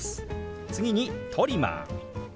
次に「トリマー」。